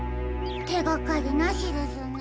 てがかりなしですね。